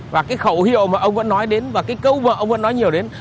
và cái khẩu hiệu mà ông vẫn nói đến và cái câu vợ ông vẫn nói nhiều đến